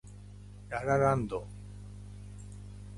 ラ・ラ・ランド